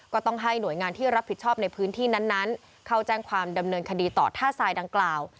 ก็ต้องให้หน่วยงานที่รับผิดชอบในพื้นที่นั้นเข้าแจ้งความดำเนินคดีต่อท่าทรายดังกล่าว